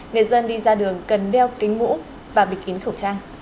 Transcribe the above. nghệ dân đi ra đường cần đeo kính mũ và bịch kín khẩu trang